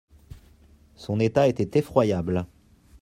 Son état était effroyable.